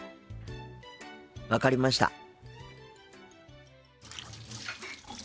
分かりました。